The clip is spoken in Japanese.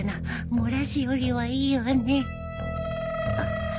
漏らすよりはいいよね